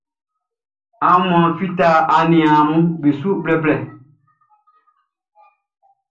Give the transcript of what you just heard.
Aunmuanʼn fita nɲaʼm be su blɛblɛblɛ.